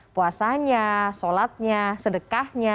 puasanya sholatnya sedekahnya